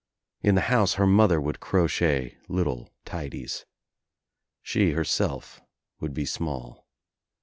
In the house her mother would crochet little tidies. She herself would be small.